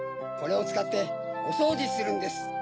これをつかっておそうじするんです。